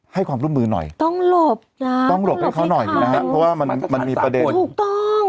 ให้ความร่วมมือหน่อยต้องหลบให้เขาหน่อยนะครับเพราะว่ามันมีประเด็นต้อง